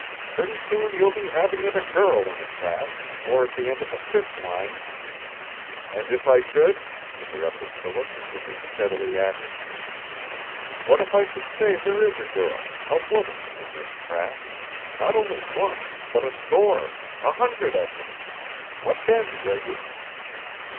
"Pretty soon you'll be having it a girl in a trap or at the end of a fish line " "And if I should?" interrupted Philip, looking steadily at him. "What if I should say there is a girl a woman in this trap not only one, but a score, a hundred of them? What then, Greggy?"